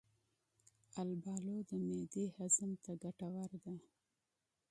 البالو د معدې هضم ته ګټوره ده.